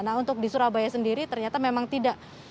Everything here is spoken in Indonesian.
nah untuk di surabaya sendiri ternyata memang tidak